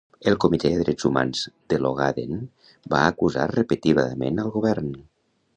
El Comitè de Drets Humans de l'Ogaden va acusar repetidament al govern.